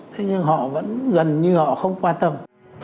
thế nhưng họ vẫn gần như họ không quan tâm